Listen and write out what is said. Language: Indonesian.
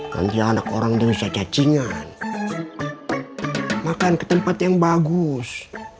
nanti anak orang itu bisa cacingan makan ke tempat yang bagus